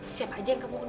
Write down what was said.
siap aja yang kamu urusin